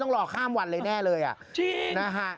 ต้องรอข้ามวันเลยแน่เลยอะ